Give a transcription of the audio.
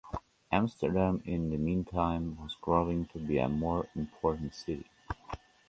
Amsterdam in the mean time was growing to be a more important city.